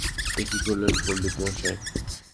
এ কী করলেন পণ্ডিতমশায়?